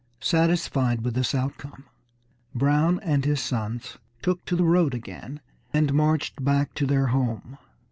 Satisfied with this outcome, Brown and his sons took to the road again, and marched back to their home.